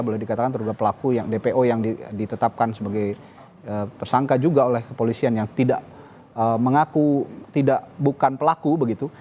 boleh dikatakan terduga pelaku yang dpo yang ditetapkan sebagai tersangka juga oleh kepolisian yang tidak mengaku bukan pelaku begitu